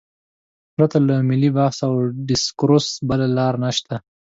پرته له ملي بحث او ډیسکورس بله لار نشته.